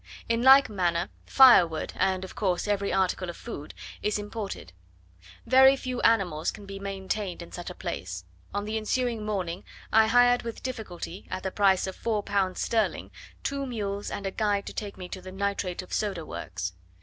In like manner firewood, and of course every article of food, is imported. Very few animals can be maintained in such a place: on the ensuing morning I hired with difficulty, at the price of four pounds sterling, two mules and a guide to take me to the nitrate of soda works.